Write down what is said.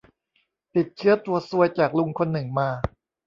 ติดเชื้อตัวซวยจากลุงคนหนึ่งมา